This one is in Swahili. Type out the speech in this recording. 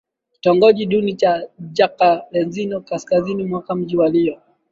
kitongoji duni cha Jacarezinho kaskazini mwa mji wa Rio